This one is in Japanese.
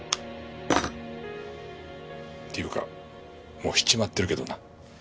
っていうかもうしちまってるけどな。